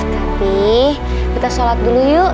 tapi kita sholat dulu yuk